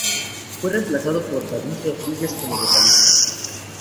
Fue reemplazado por David Rodriguez como vocalista.